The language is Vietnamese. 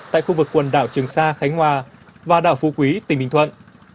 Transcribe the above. tại khu vực quần đảo trường sa khánh hòa và đảo phú quý tỉnh bình thuận